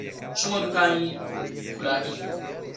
چوومە دووکانی کولاهی